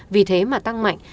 vì thế mà tăng mạnh